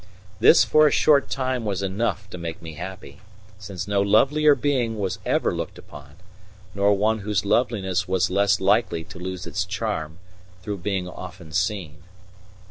This for a short time was enough to make me happy, since no lovelier being was ever looked upon, nor one whose loveliness was less likely to lose its charm through being often seen.